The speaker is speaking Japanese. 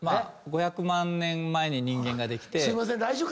５００万年前に人間ができて。